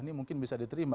ini mungkin bisa diterima